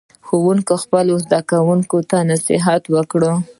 ښوونکي خپلو زده کوونکو ته نصیحت وکړ.